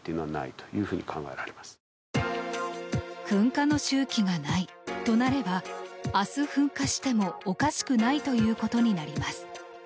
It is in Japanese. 噴火の周期がないとなれば明日、噴火してもおかしくないということになります。